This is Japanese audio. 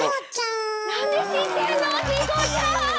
なんで知ってんの⁉チコちゃん！